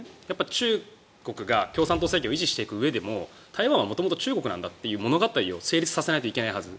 中国が共産党政権を維持していくうえでも台湾は元々中国なんだという物語を成立させないといけないはず。